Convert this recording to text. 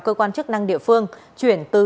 cơ quan chức năng địa phương chuyển từ